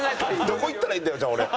どこ行ったらいいんだよ俺。